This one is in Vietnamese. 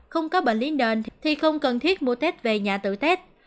không có bệnh lý nền thì không cần thiết mua tết về nhà tự tết